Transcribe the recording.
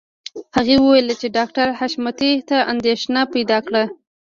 هغې وویل چې ډاکټر حشمتي ته اندېښنه پیدا کړه